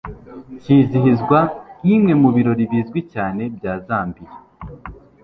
cyizihizwa nkimwe mubirori bizwi cyane bya zambiya